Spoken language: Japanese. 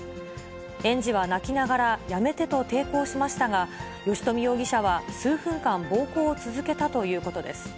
園児は泣きながら、やめてと抵抗しましたが、吉冨容疑者は数分間、暴行を続けたということです。